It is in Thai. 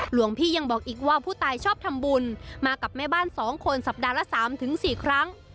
หลวงพี่ยังบอกอีกว่าผู้ตายชอบทำบุญมากับแม่บ้าน๒คนสัปดาห์ละ๓๔ครั้ง